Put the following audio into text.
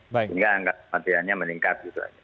sehingga angka hatianya meningkat